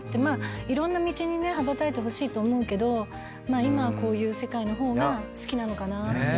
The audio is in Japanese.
まあいろんな道にね羽ばたいてほしいと思うけど今はこういう世界の方が好きなのかなって。